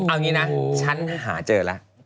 อ่าวสมัยฉันหาเจอละ